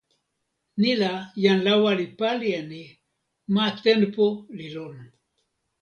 ni la, jan lawa li pali e ni: ma tenpo li lon.